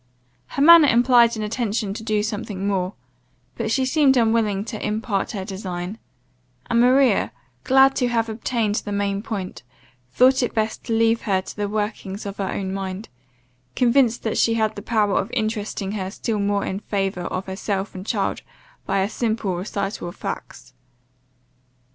Her manner implied an intention to do something more, but she seemed unwilling to impart her design; and Maria, glad to have obtained the main point, thought it best to leave her to the workings of her own mind; convinced that she had the power of interesting her still more in favour of herself and child, by a simple recital of facts.